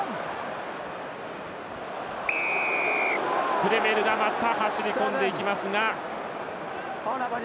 クレメルがまた走り込んでいきますが。